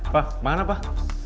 pak kemana pak